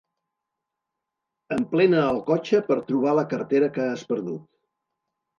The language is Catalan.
Emplena el cotxe per trobar la cartera que has perdut.